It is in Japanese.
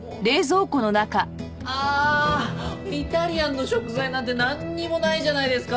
ああイタリアンの食材なんてなんにもないじゃないですか。